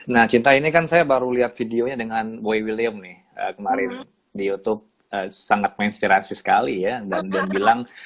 nah cinta ini kan saya baru lihat videonya dengan boy william kemarin di youtube sangat menginspirasi arizona bilang